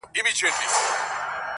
• او بیا نو واه واه ورته ووايي -